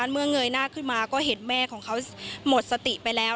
เมื่อเงยหน้าขึ้นมาก็เห็นแม่ของเขาหมดสติไปแล้ว